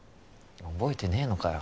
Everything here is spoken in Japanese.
覚えてねえのかよ。